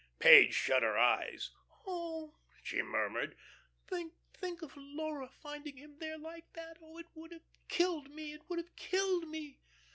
Page shut her eyes. "Oh," she murmured, "think, think of Laura finding him there like that. Oh, it would have killed me, it would have killed me."